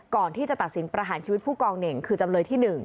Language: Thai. ก่อนที่จะตัดสินประหารชีวิตผู้กองเหน่งคือจำเลยที่๑